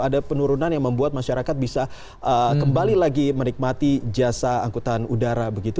ada penurunan yang membuat masyarakat bisa kembali lagi menikmati jasa angkutan udara begitu